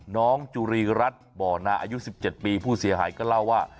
น้องจุรีรัฐบ่อนาอายุ๑๗ปีผู้เสียหายก็เล่าว่า